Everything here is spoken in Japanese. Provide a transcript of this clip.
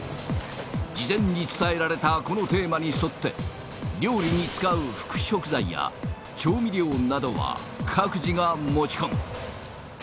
事前に伝えられたこのテーマに沿って料理に使う副食材や調味料などは各自が持ち込む